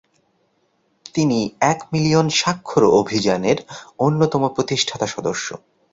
তিনি এক মিলিয়ন স্বাক্ষর অভিযানের অন্যতম প্রতিষ্ঠাতা সদস্য।